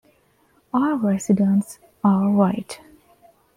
All residents are white.